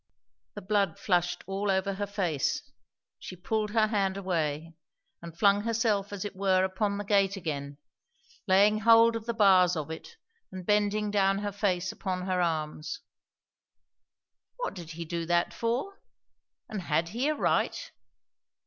The blood flushed all over her face, she pulled her hand away, and flung herself as it were upon the gate again; laying hold of the bars of it and bending down her face upon her arms. What did he do that for? and had he a right?